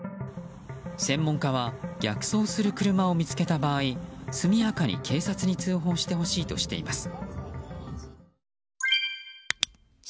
専門家は逆走する車を見つけた場合速やかに警察に通報してほしいとしています。